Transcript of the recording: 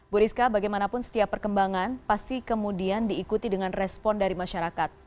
bu rizka bagaimanapun setiap perkembangan pasti kemudian diikuti dengan respon dari masyarakat